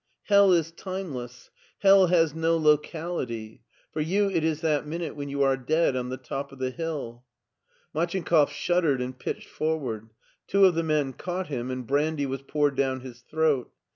Hell is timeless; hell has no locality; for you it is that minute when you are dead on the top of the hill!" Machinkoff shuddered and pitched forward. Two of the men Caught him, and brandy was poured down his throat.